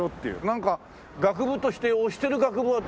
なんか学部として推してる学部は。